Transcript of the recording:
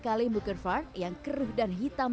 kale bukervar yang keruh dan hitam